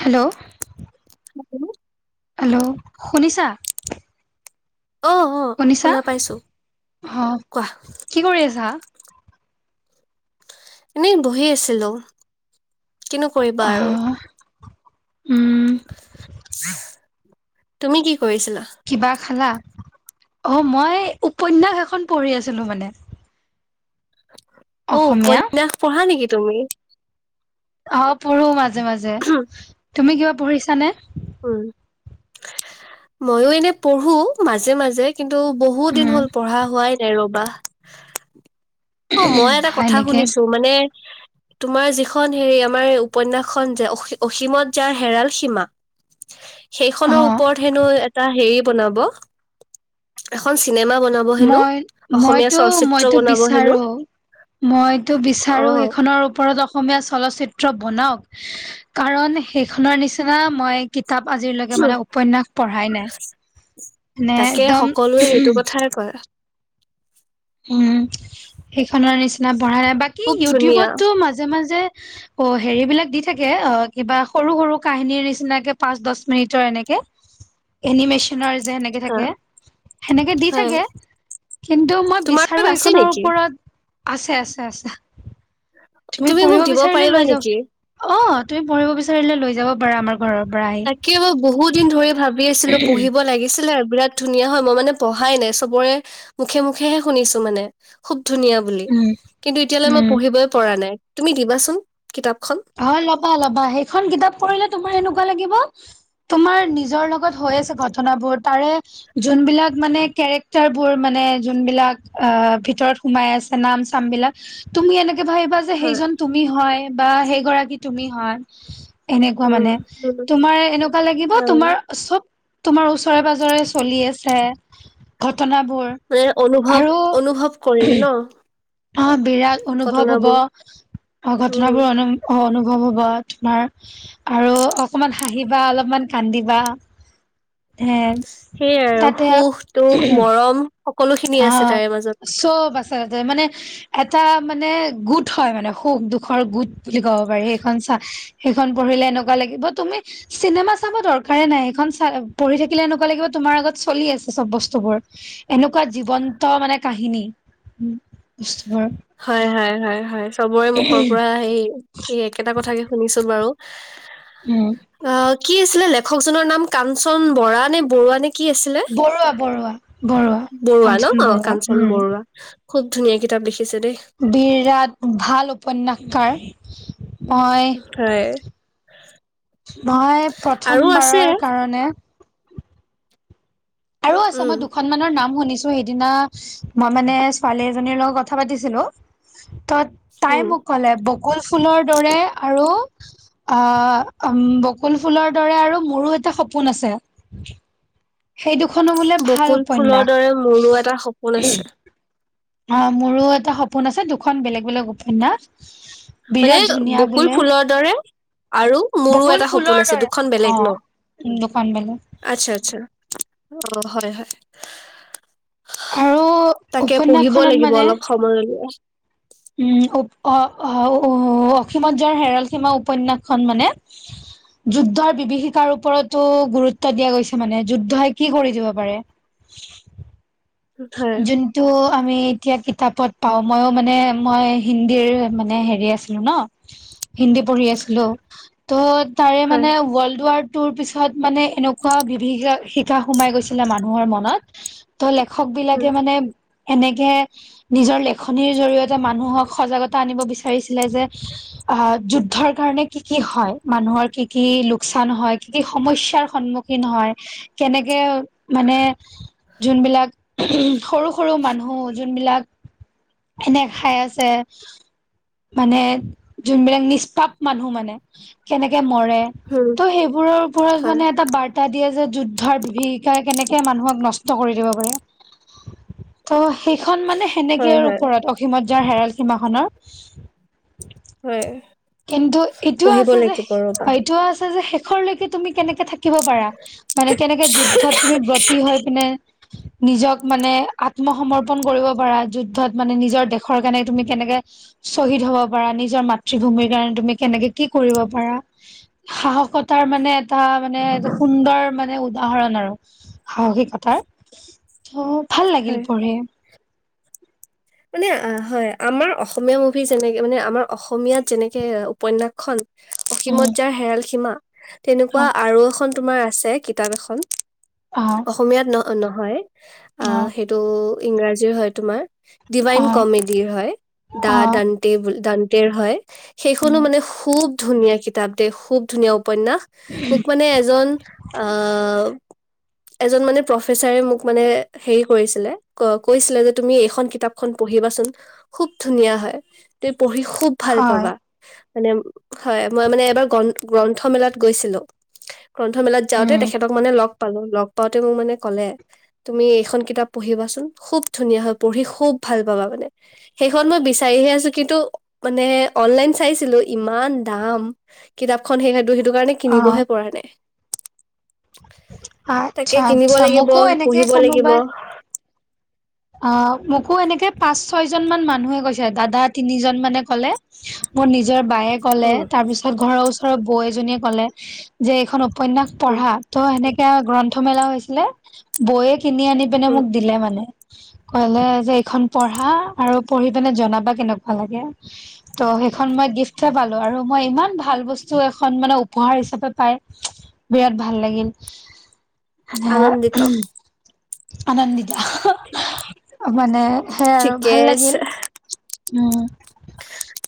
Hello hello hello শুনিছা? অ অ শুনিছা? শুনা পাইছো অ', কোৱা কি কৰি আছা? এনেই বহি আছিলো। কিনো কৰিবা আৰু আহ। তুমি কি কৰিছিলা কিবা খালা? অ', মই উপন্যাস এখন পঢ়ি আছিলোঁ মানে। অ', অসমীয়া উপন্যাস পঢ়া নেকি তুমি? অ', পঢ়োঁ, মাজে, মাজে তুমি কিবা পঢ়িছানে? উম, ময়ো এনে পঢ়ো মাজে, মাজে। কিন্তু বহুত দিন উম হ'ল, পঢ়া হোৱাই নাই ৰ'বা। অ', মই এটা হয় কথা নেকি শুনিছো, মানে তোমাৰ যিখন হেৰি আমাৰ এই উপন্যাসখন যে অ 'অসীমত যাৰ হেৰাল সীমা'। [inaudible] সেইখনৰ ওপৰত হেনো এটা, হেৰি, বনাব চিনেমা বনাব হেনো। মই অসমীয়া মইতো চলচিত্ৰ মইতো বনাব হেনো বিচাৰো মইতো অ বিচাৰোঁ, সেইখনৰ ওপৰত এটা অসমীয়া চলচ্চিত্ৰ বনাওক। কাৰণ সেইখনৰ নিচিনা মই কাৰণ, আজিলৈকে মই তেনে উপন্যাস পঢ়াই নাই মানে তাকে একদম সকলোৱে সেইটো কথাই কয় উম--সেইখনৰ নিচিনা পঢ়া নাই। বাকী খুব ধুনীয়া ইউটিউবতো মাজে-মাজে, অ' হেৰি বিলাক দি থাকে, অ', কিবা সৰু-সৰু কাহিনীৰ নিচিনাকৈ পাঁচ-দচ মিনিটৰ এনেকে এনিমেশ্যনৰ যে সেনেকে হা থাকে, সেনেকে দি হয় থাকে, কিন্তু মই তোমাৰ আৰু তাত আছে এইখনৰ নেকি ওপৰত আছে আছে আছে। তুমি মোক পঢ়িব দিব বিচাৰিলে, পাৰিবা লৈ নেকি যাবা। অ', তুমি পঢ়িব বিচাৰিলে, লৈ যাব পাৰা আমাৰ পৰা। ঘৰৰ আহি তাকে বই বহুত দিন ধৰি ভাবি আছিলো পঢ়িব লাগিছিলে আৰু বিৰাট ধুনীয়া হয় মই মানে পঢ়াই নাই চবৰে মুখে মুখেহে শুনিছো মানে খুব ধুনীয়া বুলি কয়। উম কিন্তু, এতিয়ালৈকে মই উম পঢ়িবই পৰা নাই। তুমি দিবাচোন? কিতাপখন অ', ল'বা ল'বা, সেইখন কিতাপ পঢ়িলে তোমাৰ এনেকুৱা লাগিব তোমাৰ নিজৰ লগত হৈ আছে ঘটনাবোৰ, তাৰে যোনবিলাক মানে কেৰেক্টাৰ বোৰ মানে যোনবিলাক অ' ভিতৰত সোমাই আছে নাম-চাম বিলাক, তুমি এনে ভাবিবা যে, হয় সেইজন তুমি হয়, বা সেইগৰাকী তুমি হয়। এনেকুৱা উম মানে, উম তোমাৰ এনেকুৱা লাগিব হয় তোমাৰ চব তোমাৰ ওচৰে-পাজৰে চলি আছে ঘটনাবোৰ, মানে অনুভৱ আৰু অনুভৱ কৰিম ন অ' বিৰাট অনুভৱ হ'ব, ঘটনাবোৰ অ' উম ঘটনাবোৰ অনু অ অনুভৱ হ'ব তোমাৰ, আৰু অকণমান হাঁহিবা, অলপমান কান্দিবা হে সেয়াই আৰু, সুখ-দুখ, মৰম সকলোখিনি আছে অ', তাৰে মাজত চব আছে তাতে মানে এটা মানে গোট হয় মানে সুখ-দুখৰ গোট বুলি ক'ব পাৰি সেইখন চাই সেইখন পঢ়িলে এনেকুৱা লাগিব তুমি চিনেমা চাব দৰকাৰেই নাই সেইখন চা পঢ়ি থাকিলে এনেকুৱা লাগিব তুমি আমাৰ আগতেই চলি আছে চব বস্তুবোৰ, এনেকুৱা জীৱন্ত মানে কাহিনী। [unintelligible] হয়, হয়, হয়, হয়। চবৰে মুখৰ পৰা সেই একেটা কথাকেই শুনিছোঁন বাৰু। উম অ', কি আছিলে লেখকজনৰ নাম? কাঞ্চন বৰা নে বৰুৱা নে? কি আছিলে বৰুৱা বৰুৱা বৰুৱা বৰুৱা ন কাঞ্চন বৰুৱা কাঞ্চন উম বৰুৱা। খুব ধুনীয়া কিতাপ লিখ বিৰাট ভাল উপন্যাসকাৰ। মই হয় মই আৰু আছে প্ৰথমবাৰৰ কাৰণে আৰু আছে উম, মই দুখনমানৰ নাম শুনিছো সেইদিনা মই মানে ছোৱালী এজনীৰ লগত কথা পাতিছিলো ত তাই উম। মোক কলে বকুল ফুলৰ দৰে আৰু আহ বকুল ফুলৰ দৰে আৰু মোৰো এটা সপোন আছে সেই দুখনো বোলে ভাল বকুল ফুলৰ উপন্যাস দৰে মোৰো এটা সপোন আছে। অ', মোৰো এটা সপোন আছে দুখন বেলেগ- বেলেগ উপন্যাস। মানে বিৰাট ধুনীয়া বকুল বোলে ফুলৰ দৰে আৰু মোৰো বকুল এটা ফুলৰ সপোন আছে দৰে দুখন অ বেলেগ ন দুখন বেলেগ আচ্ছা আচ্ছা অ', হয়-হয় আৰু তাকে পঢ়িব উপন্যাসখনত লাগিব মানে অলপ সময় উলিয়াই। উম অসীমত যাৰ হেৰাল সীমা উপন্যাসখন মানে যুদ্ধৰ বিভীষিকাৰ ওপৰতো গুৰুত্ব দিয়া গৈছে মানে যুদ্ধই কি কৰি দিব পাৰে হয়, যোনটো আমি এতিয়া কিতাপত পাওঁ ময়ো মানে মই হিন্দীৰ মানে হেৰি আছিলো ন হিন্দী পঢ়ি আছিলো ত' তাৰে হয়। মানে ৱৰ্ল্ড ৱাৰ তোৰ পিছত মানে এনেকুৱা বিভীষিকা সোমাই গৈছিলে মানুহৰ মনত ত লে [unintelligible] বিলাকে উম, মানে এনেকে নিজৰ লেখনিৰ জৰিয়তে মানুহক সজাগতা আনিব বিচাৰিছিলে যে অ যুদ্ধৰ কাৰণে কি কি হয় মানুহৰ কি কি লোকচান হয় কি কি সমস্যাৰ সন্মুখ [unintelligible] হয় কেনেকে মানে যোনবিলাক সৰু-সৰু মানুহ যোনবিলাক এনে খাই আছে মানে যোনবিলাক নিষ্পাপ মানুহ মানে কেনেকে মৰে উম। ত' সেইবোৰৰ ওপৰত হয়, মানে এটা বাৰ্তা দিয়ে যে যুদ্ধৰ বিভীষিকা কেনেকে মানুহক নষ্ট কৰি দিব পাৰে ত সেইখন মানে হয়, সেনেকেৰ হয়। ওপৰত অসীমত যাৰ হেৰাল সীমাখনৰ হয়। কিন্তু এইটোও পঢ়িব আছে যে লাগিব ৰ'বা। এইটোও আছে যে শেষৰলৈকে তুমি কেনেকে থাকিব পাৰা মানে কেনেকে যুদ্ধত তুমি ব্ৰতি হৈ পিনে নিজক মানে আত্মসমৰ্পন কৰিব পাৰা যুদ্ধত মানে নিজৰ দেশৰ কাৰণে তুমি কেনেকে শ্বহীদ হ'ব পাৰা নিজৰ মাতৃভূমিৰ কাৰণে তুমি কেনেকে কি কৰিব পাৰা সাহসতাৰ মানে টা, মানে সুন্দৰ মানে উদাহৰণ আৰু সাহসিকতাৰ। ত' ভাল লাগিল হয়। পঢ়ি। মানে হয় আমাৰ অসমীয়া মুভি যেনেকে মানে আমাৰ অসমীয়াত যেনেকে উপন্যাসখন উম অসীমত যাৰ হেৰাল সীমা তেনেকুৱা হয়। আৰু এখন তোমাৰ আছে কিতাপ এখন অ অসমীয়াত ন নহয় অ আহ সেইটো ইংৰাজীৰ হয় তোমাৰ ডিভাইন অ কমেডিৰ হয়, অ দা-ডানটে-ডানটেৰ হয়। সেইখনো উম মানে খুব ধুনীয়া কিতাপ দে খুব ধুনীয়া উপ উপন্যাস মোক মানে এজন আহ এজন মানে প্ৰফেচাৰে মোক মানে হেৰি কৰিছিলে কৈছিলে যে তুমি এইখন কিতাপ খন পঢ়িবাচোন, খুব ধুনীয়া হয়। তুমি পঢ়ি খুব ভাল হয় পাবা। মানে, হয় মই মানে এবাৰ গ গ্ৰন্থমেলাত গৈছিলোঁ। গ্ৰন্থমেলাত যাওঁতে উম তেখেতক মানে লগ পালো লগ পাওঁতে মোক মানে ক'লে তুমি এইখন কিতাপ পঢ়িবাচোন খুব ধুনীয়া হয় পঢ়ি খুব ভাল পাবা মানে সেইখন মই বিচাৰিহে আছো কিন্তু মানে অনলাইন চাইছিলো ইমান দাম কিতাপখন সেই সেইটো কাৰণে অ কিনিবহে পৰা নাই। তাকে আচ্ছা কিনিব আচ্ছা লাগিব মোকো এনেকে পঢ়িব লাগিব। কোনোবাই অ মোকো এনেকে পাঁচ ছয় জনমান মানুহে কৈছে দাদা তিনিজন মানে কলে মোৰ নিজ নিজৰ বায়ে ক'লে উম তাৰ পিছত ঘৰৰ ওচৰৰ বৌ এজনীয়ে ক'লে যে এইখন উপন্যাস উম পঢ়া ত' সেনেকে আৱ গ্ৰন্থ মেলা হৈছিলে বৌৱে কিনি আনি পিনে উম, মোক দিলে মানে। কলে যে এইখন পঢ়া আৰু পঢ়ি পিনে জনাবা কেনেকোৱা লাগে ত' এইখন মই গিফ্ট হে পালো আৰু মই ইমান ভাল বস্তু এখন মানে উপহাৰ হিচাপে পাই বিৰাট ভাল লাগিল আনন্দিত আনন্দিতা। মানে সেই আৰু ঠিকে ভাল আছে। লাগিল উম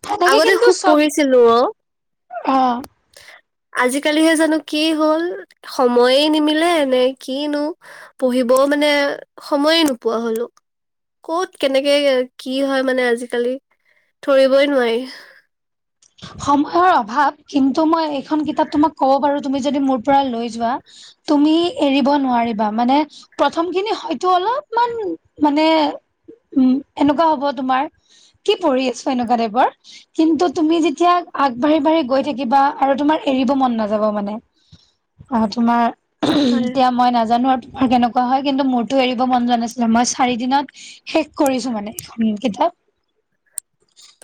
সেনেকে আগতে কিন্তু খুব চব পঢ়িছিলোঁ অ অ আজিকালিহে জানো কি হ'ল সময়ে নিমিলে এনে কিনো পঢ়িবও মানে সময়ে নোপোৱা হলো। কত কেনেকে কি হয় মানে আজিকালি ধৰিবই নোৱাৰি। সময়ৰ অভাৱ কিন্তু মই এইখন কিতাপটো মই ক'ব পাৰো তুমি যদি মোৰ পৰা লৈ যোৱা তুমি এৰিব নোৱাৰিবা মানে প্ৰথম খিনি হয়তো অলপমান মানে উম এনেকুৱা হ'ব তোমাৰ কি পঢ়ি আছো এনেকুৱা টাইপৰ কিন্তু তুমি যেতিয়া আগবাঢ়ি বাঢ়ি গৈ থাকিবা আৰু তুমাৰ এৰিব মন নাযাব মানে অ তোমাৰ হয়, এতিয়া মই নাজানো আৰু আৰু কেনেকুৱা হয় কিন্তু মোৰতো এৰিব মন যোৱা নাছিলে মই চাৰি দিনত শেষ কৰিছো মানে এখন কিতাপ [unintelligible]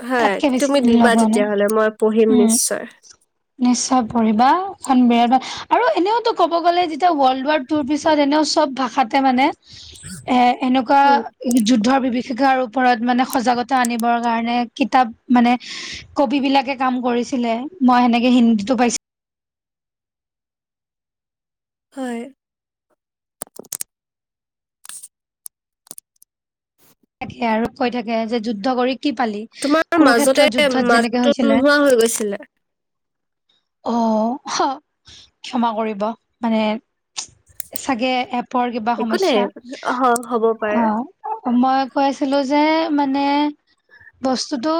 হয় তাতকে বেছি তুমি দিন দিবা লগোৱা নাই তেতিয়াহলে মই পঢ়িম উম নিশ্চয় নিশ্চয় পঢ়া এখন বিৰাট আৰু এনেওতো ক'ব গ'লে যেতিয়া ৱৰ্ল্ড ৱাৰ [unintelligible] পিছত এনে চব ভাষাতে মানে এ এনেকুৱা উম, যুদ্ধৰ বি শিক্ষাৰ ওপৰত মানে সজাগতা আনিবৰ কাৰণে কিতাপ মানে কবি বিলাকে কাম কৰিছিলে মই সেনেকে হিন্দীতো পাইছিলো। হয়। থাকে আৰু কৈ থাকে যে যুদ্ধ কৰি কি পালি তোমাৰ মাজতে কুৰুক্ষেত্ৰ যুদ্ধত যেনেকে মাতটো হৈছিলে? নোহোৱা হৈ গৈছিলে। অ ক্ষমা কৰিব মানে চাগে এপৰ কিবা একো নাই সমস্যা অ', হ'ব পাৰে। অ মই কৈছিলো যে মানে বস্তুটো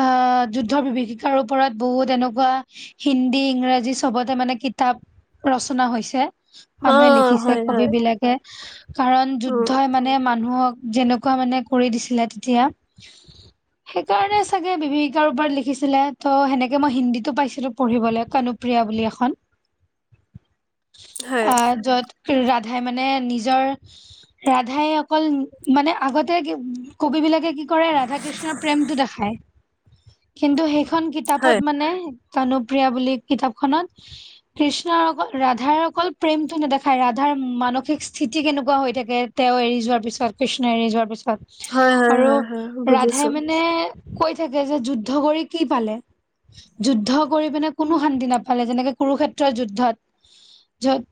আহ যুদ্ধৰ বিভিষিকাৰ ওপৰত বহুত এনেকুৱা হিন্দী ইংৰাজী চবতে মানে কিতাপ ৰচনা হৈছে। মানুহে অ', লিখিছে হয়, কব হয়, বিলাকে কাৰণ উম, যুদ্ধই মানে মানুহক যেনেকুৱা মানে কৰি দিছিলে তেতিয়া সেইকাৰণে চাগে বিভিষিকাৰ ওপৰত লিখিছিলে ত সেনেকে মই হিন্দীতো পাইছিলো। পঢ়িবলৈ কানুপ্ৰিয়া বুলি এখন হয়, আহ য'ত ৰাধাই মানে নিজৰ ৰাধাই অকল মানে আগতে কব বিলাকে কি কৰে, ৰাধা কৃষ্ণৰ প্ৰেমটো দেখাই কিন্তু সেইখন কিতাপত হয়, মানে প্ৰিয়া বুলি কিতাপখনত কৃষ্ণৰ অকল, ৰাধাৰ অকল প্ৰেমটো নেদেখায়, ৰাধাৰ মা মানসিক স্থিতি কেনেকুৱা হৈ থাকে, তেওঁ এৰি যোৱাৰ পিছত কৃষ্ণ এৰি যোৱাৰ পিছ হয়, হয়, হয়, আৰু হয় হয়, ৰাধাই বুজিছো। মানে কৈ থাকে যে, যুদ্ধ কৰি কি পালে? যুদ্ধ কৰি পিনে কোনো শান্তি নাাপালে, যেনেকে কুৰুক্ষেত্ৰৰ যুদ্ধত। য'ত,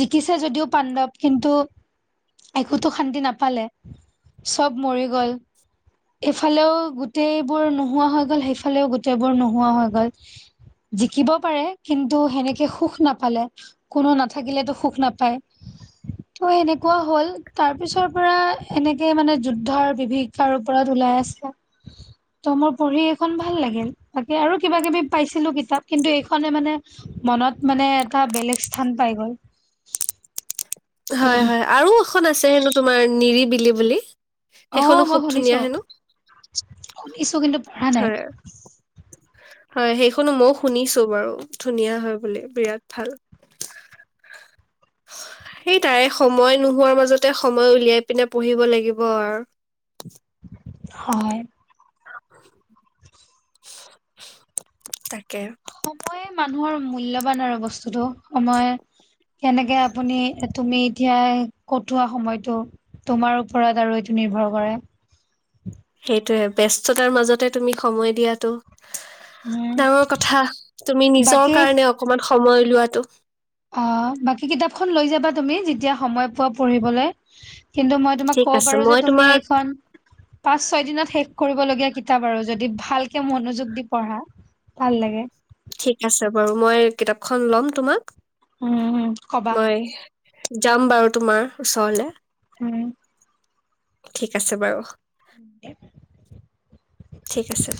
জিকিছে যদিও পাণ্ডৱ কিন্তু একোটো শান্তি নাপালে, চব মৰি গ'ল। এইফালেও গোটেইবোৰ নোহোৱা হৈ গ'ল, সেইফালেও গোটেইবোৰ নোহোৱা হৈ গ'ল। জিকিব পাৰে কিন্তু সেনেকে সুখ নাপালে, কোনো নাথাকিলেতো সুখ নাপায়। ত, এনেকুৱা হ'ল, তাৰ পিছৰ পৰা এনেকে মানে যুদ্ধৰ বিভীকাৰ ওপৰত ওলাই আছে, ত, মোৰ পঢ়ি এখন ভাল লাগিল। বাকী আৰু কিবা, কিবি পাইছিলো কিতাপ কিন্তু এইখনে মানে, মনত মানে এটা বেলেগ স্থান পাই গল। হয়, হয় আৰু এখন আছে হেনো, তোমাৰ নিৰিবিলি বুলি। অ সেইখনো মই খুব ধুনীয়া শুনিছো হেনো। শুনিছো কিন্তু পঢ়া নাই হয়। হয়, সেইখনো মই শুনিছো বাৰু, ধুনীয়া হয় বুলি বিৰাট ভাল। সেইটাই সময় নোহোৱাৰ, মাজতে সময় উলিয়াই পিনে পঢ়িব লাগিব আৰু। [inaudible] হয়। তাকে। সময়ে মানুহৰ মূল্যবান আৰু বস্তুতটো, সময় কেনেকে আপুনি, তুমি এতিয়া কটোৱা সময়টো, তোমাৰ ওপৰত আৰু নিৰ্ভৰ কৰে। সেইটোয়ে, ব্যস্ততাৰ মাজতে তুমি সময় দিয়াটো। উম, ডাঙৰ কথা, তুমি নিজৰ বাকী কাৰণে অকমান সময় লোৱাটো। অ', বাকী কিতাপখন লৈ যাবা তুমি, যেতিয়া সময় পোৱা পঢ়িবলে। কিন্তু মই তোমাক ঠিক ক'ব আছে, পাৰোঁ যে, মই তুমি তোমাক এইখন পাঁচ, ছয়দিনত শেষ পঢ়িবলগীয়া কিতাপ, আৰু যদি ভালকে মনোযোগ দি পঢ়া ভাল লাগে। ঠিক আছে বাৰু, মই কিতাপখন ল'ম, তোমাক উম, কবা। মই যাম বাৰু তোমাৰ ওচৰলে। উম ঠিক আছে বাৰু। ঠিক আছে।